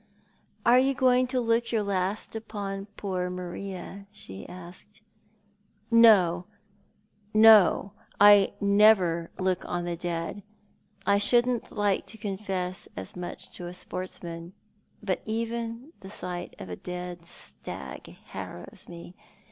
"Are you going to look your last upon poor Marie?" she asked. "No, no; I never look on the dead. I shouldn't like to confess as much to a sportsman, but even the sight of a dead stag harrows me.